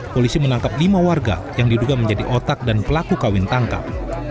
polisi menangkap lima warga yang diduga menjadi otak dan pelaku kawin tangkap